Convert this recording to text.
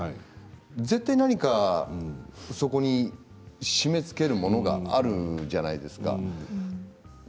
絶対、何かそこに締めつけるものがあるんじゃないですか。